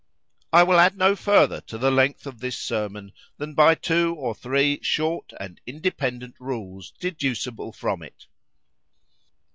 _ "I will add no farther to the length of this sermon, than by two or three short and independent rules deducible from it.